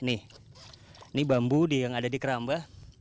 ini bambu yang ada di keramba